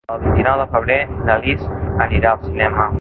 El vint-i-nou de febrer na Lis anirà al cinema.